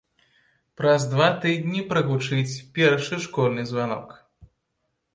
Праз два тыдні прагучыць першы школьны званок.